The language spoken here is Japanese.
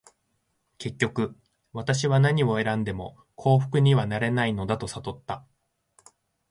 結局、私は何を選んでも幸福にはなれないのだと悟った。